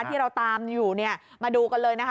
ที่เราตามอยู่เนี่ยมาดูกันเลยนะคะ